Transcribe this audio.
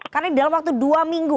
karena di dalam waktu dua minggu